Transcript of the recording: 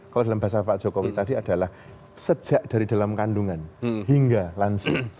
kalau dalam bahasa pak jokowi tadi adalah sejak dari dalam kandungan hingga lansia